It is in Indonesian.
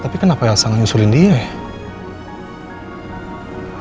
tapi kenapa yang sanggup nyusulin dia ya